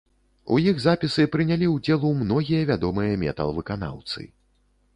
У іх запісы прынялі ўдзелу многія вядомыя метал-выканаўцы.